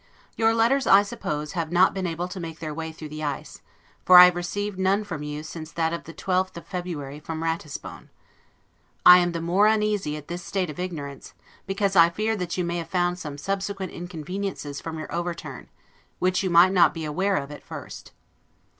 Your letters, I suppose, have not been able to make their way through the ice; for I have received none from you since that of the 12th of February, from Ratisbon. I am the more uneasy at this state of ignorance, because I fear that you may have found some subsequent inconveniences from your overturn, which you might not be aware of at first.